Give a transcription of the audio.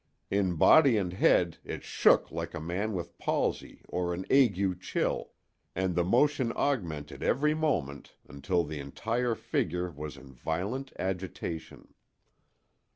In body and head it shook like a man with palsy or an ague chill, and the motion augmented every moment until the entire figure was in violent agitation.